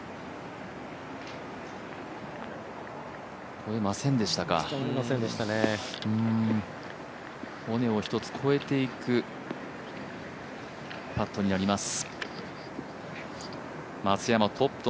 越えませんでしたか、尾根を１つ越えていくパットになります。